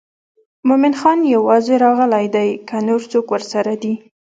مومن خان یوازې راغلی دی که نور څوک ورسره دي.